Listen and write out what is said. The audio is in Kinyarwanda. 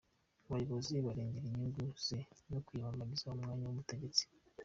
abayobozi barengera inyungu ze no kwiyamamariza umwanya w’ubutegetsi